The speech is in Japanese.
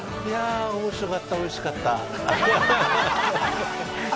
面白かった、おいしかった。